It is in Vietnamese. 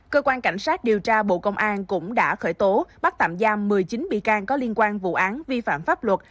cơ quan cảnh sát điều tra bộ công an cũng đã khởi tố bắt tạm giam một mươi chín bị can có liên quan vụ án vi phạm pháp luật